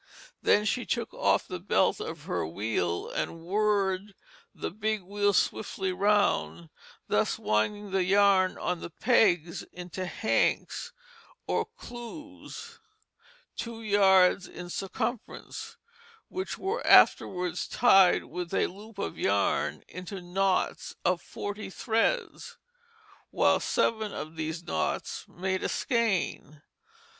Then she took off the belt of her wheel and whirred the big wheel swiftly round, thus winding the yarn on the pegs into hanks or clews two yards in circumference, which were afterwards tied with a loop of yarn into knots of forty threads; while seven of these knots made a skein.